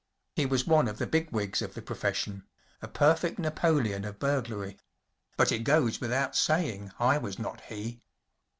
He was one of the big wigs of the profession‚ÄĒa perfect Napoleon of burglary‚ÄĒbut it goes without saying I was not he.